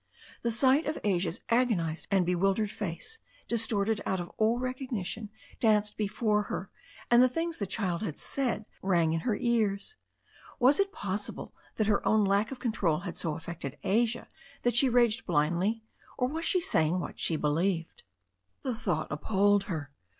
The sight of Asia's agonized and bewildered face, distorted out of all recognition, danced before her, and the things the child had said rang in her ears. Was it possible that her own lack of control had so affected Asia that she raged blindly, or was she saying what she believed ? Ii8 THE STORY OF A NEW ZEALAND RIVER The thought appalled her.